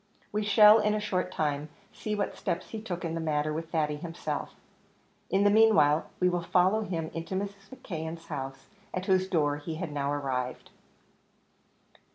We shall, in a short time, see what steps he took in the matter with Thady himself. In the meanwhile, we will follow him into Mrs. McKeon's house, at whose door he had now arrived.